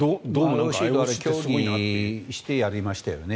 ＩＯＣと協議してやりましたよね。